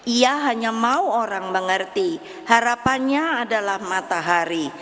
ia hanya mau orang mengerti harapannya adalah matahari